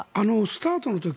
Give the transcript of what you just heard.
スタートの時